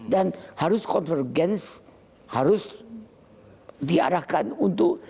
dan harus konvergens harus diarahkan untuk